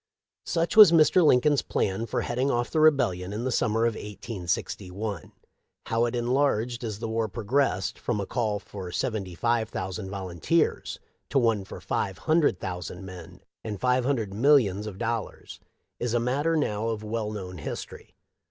" Such was Mr. Lincoln's plan for heading off the Rebellion in the summer of 1861. How it enlarged as the war progressed, from a call for seventy five thousand volunteers to one for five hundred thou sand men and five hundred millions of dollars, is a matter now of well known history.